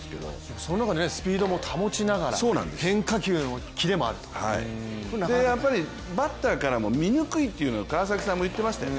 その中でスピードも保ちながら変化球の切れもあるバッターからも見にくいっていうのを川崎さんも言ってましたよね